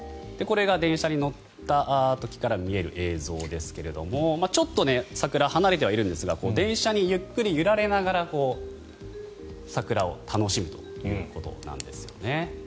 これが電車に乗った時から見える映像ですがちょっと桜離れてはいるんですが電車にゆっくり揺られながら桜を楽しむということなんです。